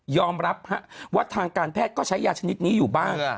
รับว่าทางการแพทย์ก็ใช้ยาชนิดนี้อยู่บ้าง